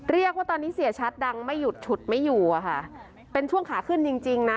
เรียกว่าตอนนี้เสียชัดดังไม่หยุดฉุดไม่อยู่อะค่ะเป็นช่วงขาขึ้นจริงจริงนะ